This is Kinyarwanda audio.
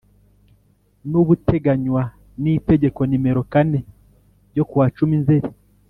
n ubuteganywa n itegeko Nimero kane ryo ku wa cumi nzeri